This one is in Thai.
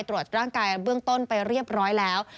ตรวจร่างกายเบื้องต้นไปเรียบร้อยแล้ว